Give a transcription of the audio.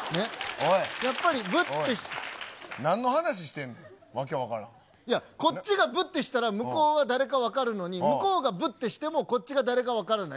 おい、なんの話してんねん、いや、こっちがぶってしたら、向こうは誰か分かるのに、向こうがぶってしても、こっちが誰か分からない。